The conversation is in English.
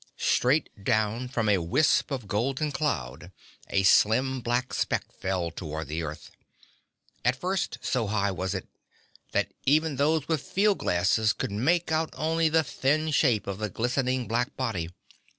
Straight down from a wisp of golden cloud a slim black speck fell toward the earth. At first, so high was it, even those with field glasses could make out only the thin shape of the glistening black body.